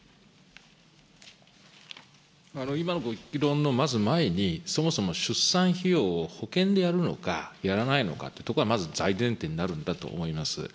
今のご議論のまず前に、そもそも出産費用を保険でやるのか、やらないのかというところはまず大前提になるんだと思います。